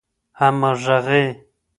همږغۍ